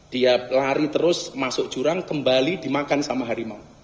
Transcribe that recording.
dia lari terus masuk jurang kembali dimakan sama harimau